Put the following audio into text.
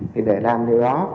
thì để làm điều đó